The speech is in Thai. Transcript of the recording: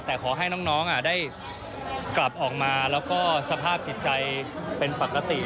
แต่ขอให้น้องได้กลับออกมาแล้วก็สภาพจิตใจเป็นปกติ